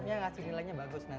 makasih sama aku ya